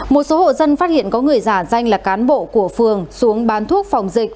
một số hộ dân phát hiện có người giả danh là cán bộ của phường xuống bán thuốc phòng dịch